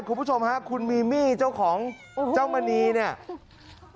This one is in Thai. คุณผู้ชมฮะคุณมีมี่เจ้าของเจ้ามณีเนี่ย